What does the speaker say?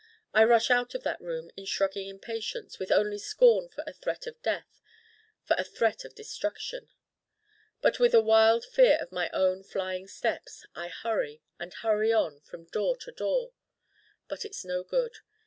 I rush out of that Room in shrugging impatience, with only scorn for a threat of death, for a threat of destruction but with a wild fear of my own flying steps. I hurry and hurry on from door to door: but it's no good.